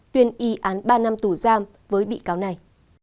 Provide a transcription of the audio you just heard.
tuyên y án ba năm tù giam với bị cáo này